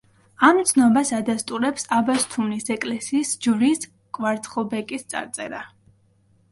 ამ ცნობას ადასტურებს აბასთუმნის ეკლესიის ჯვრის კვარცხლბეკის წარწერა.